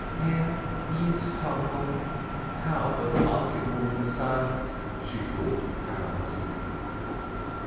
"Her Yitzchokel, Taube the market woman's son," she thought proudly.